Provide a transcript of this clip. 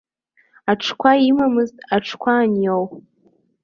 Аҽқәа имамызт, аҽқәа аниоу.